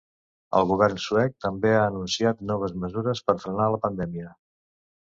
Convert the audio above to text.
El govern suec també ha anunciat noves mesures per frenar la pandèmia.